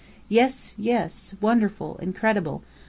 Yes, yes! Wonderful incredible!